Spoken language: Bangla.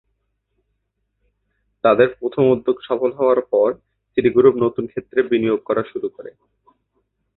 তাদের প্রথম উদ্যোগ সফল হবার পর সিটি গ্রুপ নতুন ক্ষেত্রে বিনিয়োগ করা শুরু করে।